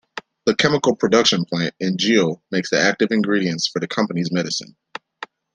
The Chemical Production plant in Geel makes the active ingredients for the company's medicines.